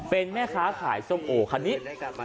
เป็นแม่ค้าขายส้มโอคันนี้